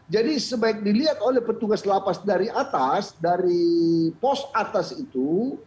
sebaik dilihat oleh petugas lapas dari atas dari pos atas itu